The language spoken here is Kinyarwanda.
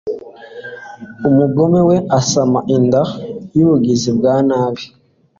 umugome we, asama inda y'ubugizi bwa nabi